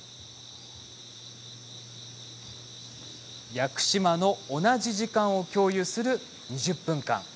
屋久島の同じ時間を共有する２０分間。